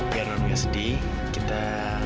biar orang nggak sedih kita